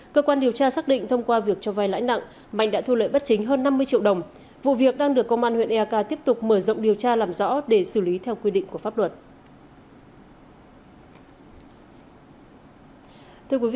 cơ quan điều tra xác định thông qua việc cho vai lãi nặng mạnh đã thu lợi bất chính hơn năm mươi triệu đồng vụ việc đang được công an huyện eak tiếp tục mở rộng điều tra làm rõ để xử lý theo quy định của pháp luật